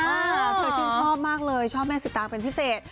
เธอชื่นชอบมากเลยชอบแม่สิตางเป็นพิเศษ